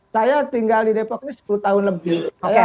saya tinggal di depok ini sepuluh tahun lebih